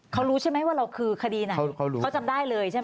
เขารู้ใช่ไหมว่าเราคือคดีไหนเขาจำได้เลยใช่ไหม